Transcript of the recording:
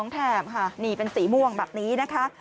แถบค่ะนี่เป็นสีม่วงแบบนี้นะคะ